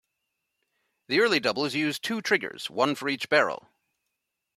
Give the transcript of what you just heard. The early doubles used two triggers, one for each barrel.